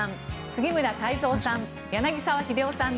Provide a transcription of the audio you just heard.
杉村太蔵さん